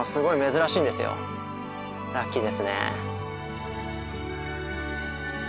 ラッキーですね。